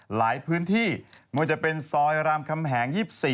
หลายพื้นที่ไม่ว่าจะเป็นซอยรามคำแหง๒๔